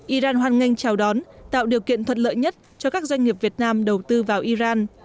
iran hoàn nganh chào đón tạo điều kiện thuật lợi nhất cho các doanh nghiệp việt nam đầu tư vào iran